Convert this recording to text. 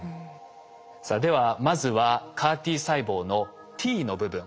さあではまずはＣＡＲ−Ｔ細胞の「Ｔ」の部分。